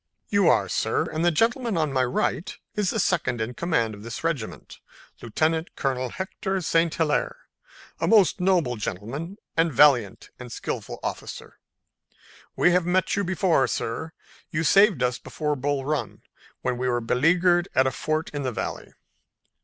"You are, sir, and the gentleman on my right is the second in command of this regiment, Lieutenant Colonel Hector St. Hilaire, a most noble gentleman and valiant and skillful officer. We have met you before, sir. You saved us before Bull Run when we were beleaguered at a fort in the Valley."